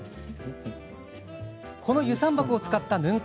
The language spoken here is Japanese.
この遊山箱を使ったヌン活。